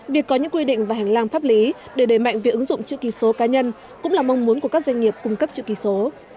việc có những quy định và hành lang pháp lý để đẩy mạnh việc ứng dụng chữ ký số cá nhân cũng là mong muốn của các doanh nghiệp cung cấp chữ ký số